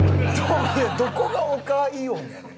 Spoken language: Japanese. どこがおかあイオンやねん！